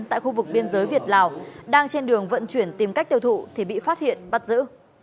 tại khu vực biên giới việt lào đang trên đường vận chuyển tìm cách tiêu thụ thì bị phát hiện bắt giữ